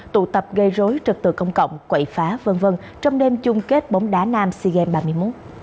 tụ tập gây rối trật tự công cộng quậy phá v v trong đêm chung kết bóng đá nam sea games ba mươi một